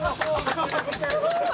すごい！